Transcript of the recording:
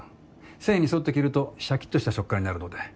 繊維にそって切るとシャキッとした食感になるので。